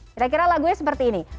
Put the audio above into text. kira kira lagunya seperti ini